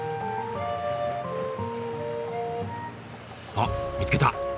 あっ見つけた！